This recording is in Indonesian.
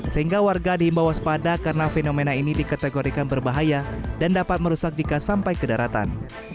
sehingga warga diimbau waspada karena fenomena ini dikategorikan berbahaya dan dapat merusak jika sampai ke daratan